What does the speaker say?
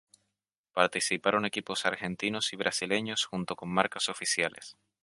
Participaron equipos argentinos y brasileños junto con marcas oficiales.